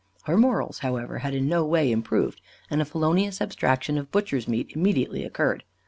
Her morals, however, had in no way improved, and a felonious abstraction of butcher's meat immediately occurred.